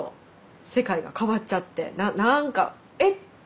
世界と変わっちゃってな何かえっ？